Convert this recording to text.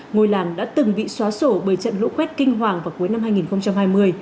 ngôi làng đã từng bị xóa sổ bởi trận lũ quét kinh hoàng vào cuối năm hai nghìn hai mươi